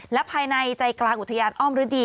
และภายในใจกลางอุทยานอ้อมฤดี